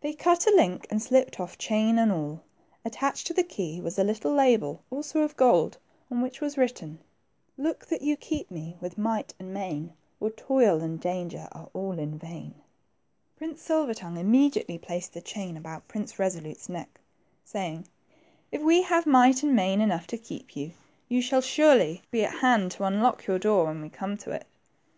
They cut a link, and slipped off chain and all. Attached to the key was a little label, also of gold, on which was written, —" Look that you keep me with might and main, Or toil and danger are all in vain." Prince Silver tongue immediately placed the chain about Prince Resolute's neck, saying, If we have might and main enough to keep you, you shall surely be at hand to unlock your door when we come to it."